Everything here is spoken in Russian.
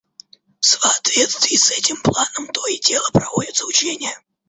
В соответствии с этим планом то и дело проводятся учения.